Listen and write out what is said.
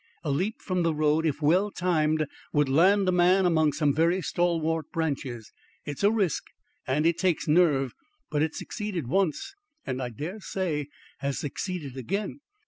"A leap from the road, if well timed, would land a man among some very stalwart branches. It's a risk and it takes nerve; but it succeeded once, and I dare say has succeeded again."